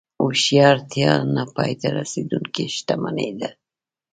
هوښیارتیا نه پای ته رسېدونکې شتمني ده.